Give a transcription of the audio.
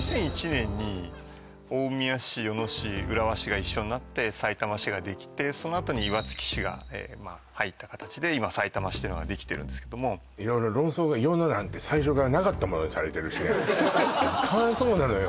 ２００１年に大宮市与野市浦和市が一緒になってさいたま市ができてそのあとに岩槻市が入った形で今さいたま市ってのができてるんですけども色々論争が与野なんて最初からなかったものにされてるしねかわいそうなのよ